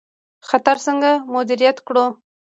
خطر څنګه مدیریت کړو؟